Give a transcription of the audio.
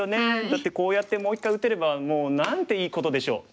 だってこうやってもう一回打てればもう何ていいことでしょう。